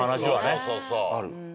そうそうそうそう。